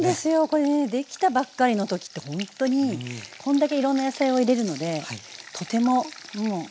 これねできたばっかりの時ってほんとにこんだけいろんな野菜を入れるのでとてももう。